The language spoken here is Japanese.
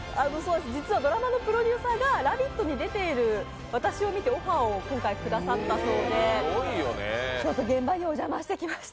実はドラマのプロデューサーが「ラヴィット！」に出ている私を見て今回オファーをくださったそうで、現場にお邪魔してきました。